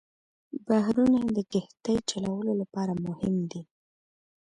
بحرونه د کښتۍ چلولو لپاره مهم دي.